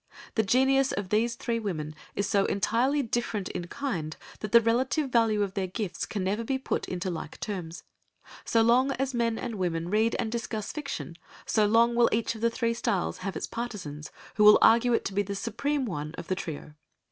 The genius of these three women is so entirely different in kind that the relative value of their gifts can never be put into like terms; so long as men and women read and discuss fiction, so long will each of the three styles have its partisans who will argue it to be the supreme one of the trio.